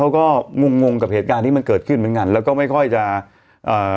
งงงงงกับเหตุการณ์ที่มันเกิดขึ้นเหมือนกันแล้วก็ไม่ค่อยจะเอ่อ